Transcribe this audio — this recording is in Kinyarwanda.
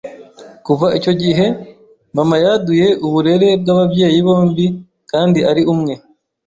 Kuva icyo gihe mama yaduye uburere bw’ababyeyi bombi kandi ari umwe,